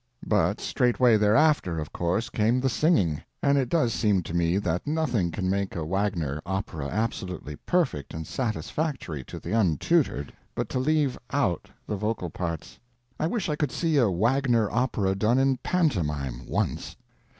But straightway thereafter, of course, came the singing, and it does seem to me that nothing can make a Wagner opera absolutely perfect and satisfactory to the untutored but to leave out the vocal parts. I wish I could see a Wagner opera done in pantomime once.